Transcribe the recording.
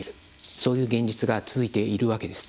そういう現実が続いているわけです。